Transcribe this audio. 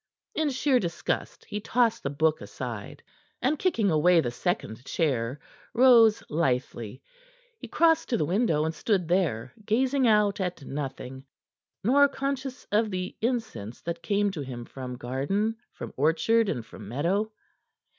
In sheer disgust he tossed the book aside, and kicking away the second chair, rose lythely. He crossed to the window, and stood there gazing out at nothing, nor conscious of the incense that came to him from garden, from orchard, and from meadow.